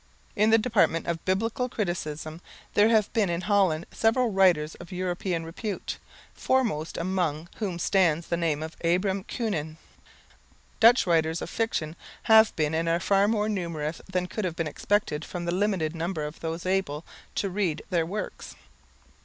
In the department of Biblical criticism there have been in Holland several writers of European repute, foremost among whom stands the name of Abraham Kuenen. Dutch writers of fiction have been and are far more numerous than could have been expected from the limited number of those able to read their works.